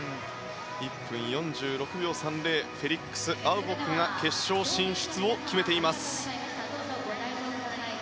１分４６秒３０でフェリックス・アウボックが決勝進出を決めています。